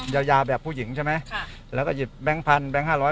ยาวยาวแบบผู้หญิงใช่ไหมค่ะแล้วก็หยิบแปลงพันแปลงห้าร้อย